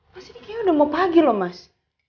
mas ini kayaknya udah mau pagi loh mas